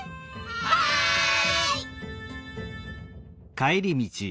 はい！